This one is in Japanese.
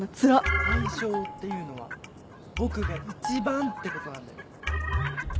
大賞っていうのは僕が１番ってことなんだよ。